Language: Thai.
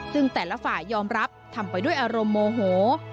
ซึ่งแต่ละฝ่ายยอมรับทำไปด้วยอารมณ์โมโห